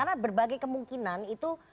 sebagai kemungkinan itu